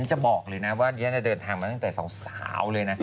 จะบอกเลยนะว่านี้เดินทางมาตั้งแต่สาวเลยนะ